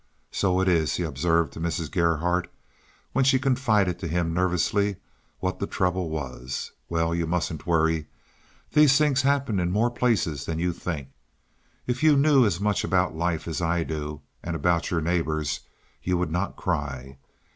"So it is," he observed to Mrs. Gerhardt when she confided to him nervously what the trouble was. "Well, you mustn't worry. These things happen in more places than you think. If you knew as much about life as I do, and about your neighbors, you would not cry.